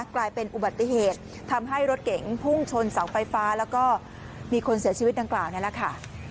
กลายเป็นอุบัติเหตุทำให้รถเก๋งพุ่งชนเสาไฟฟ้าแล้วก็มีคนเสียชีวิตดังกล่าวนี่แหละค่ะ